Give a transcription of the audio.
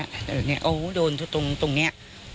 โอ้โหโดนตรงนี้